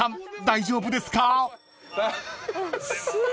大丈夫ですか？］